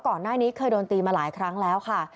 ก่อนหน้านี้เคยโดนตีมาหลายครั้งแล้วค่ะ